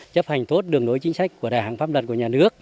chấp hành tốt đường lối chính sách của đảng pháp luật của nhà nước